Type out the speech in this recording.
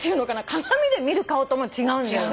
鏡で見る顔とも違うんだよね。